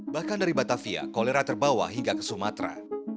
bahkan dari batavia kolera terbawa hingga ke sumatera